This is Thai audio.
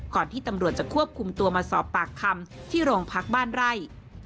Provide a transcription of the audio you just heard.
ที่ตำรวจจะควบคุมตัวมาสอบปากคำที่โรงพักบ้านไร่